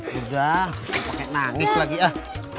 sudah pakai nangis lagi ah